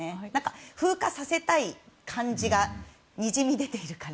風化させたい感じがにじみ出ているから。